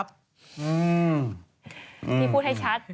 พี่พูดให้ชัด